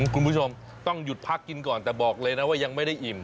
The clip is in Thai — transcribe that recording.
คุณผู้ชมต้องหยุดพักกินก่อนแต่บอกเลยนะว่ายังไม่ได้อิ่ม